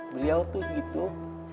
beliau itu hidup